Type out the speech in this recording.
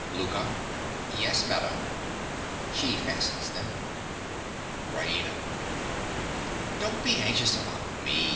LOUKA. Yes, madam. (She fastens them.) RAINA. Don't be anxious about me.